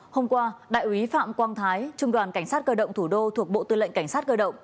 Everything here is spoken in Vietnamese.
hôm qua đại úy phạm quang thái trung đoàn cảnh sát cơ động thủ đô thuộc bộ tư lệnh cảnh sát cơ động